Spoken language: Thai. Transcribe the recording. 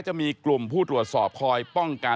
นั่นแหละสิเขายิบยกขึ้นมาไม่รู้ว่าจะแปลความหมายไว้ถึงใคร